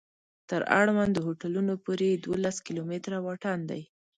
تر اړوندو هوټلونو پورې یې دولس کلومتره واټن دی.